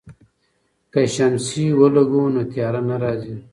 که شمسی ولګوو نو تیاره نه راځي.